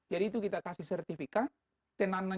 itu kita kasih sertifikat